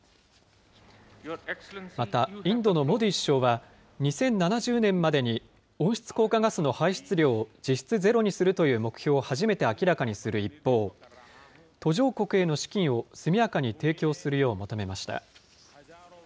またインドのモディ首相は、２０７０年までに温室効果ガスの排出量を実質ゼロにするという目標を初めて明らかにする一方、途上国への資金を速やかに提供するよう求めました。